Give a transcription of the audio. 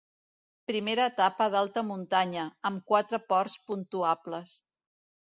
Primera etapa d'alta muntanya, amb quatre ports puntuables.